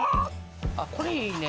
これ、いいね。